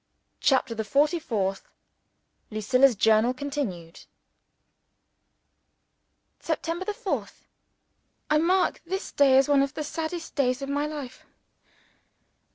CHAPTER THE FORTY FOURTH Lucilla's Journal, continued September 4th. I MARK this day as one of the saddest days of my life.